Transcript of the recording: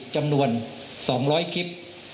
จำนวน๒๐๐คลิป